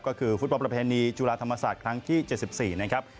ก็คือฟุตบอลประเพณีจุฬาธรรมศาสตร์ครั้งที่๗๔นะครับ